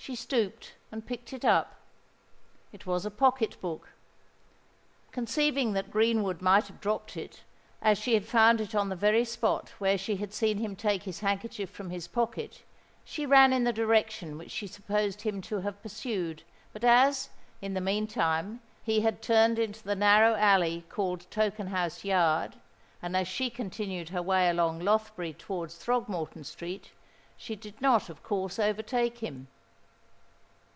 She stooped, and picked it up. It was a pocket book. Conceiving that Greenwood might have dropped it, as she had found it on the very spot where she had seen him take his handkerchief from his pocket, she ran in the direction which she supposed him to have pursued; but as, in the mean time, he had turned into the narrow alley called Tokenhouse Yard, and as she continued her way along Lothbury towards Throgmorton Street, she did not of course overtake him.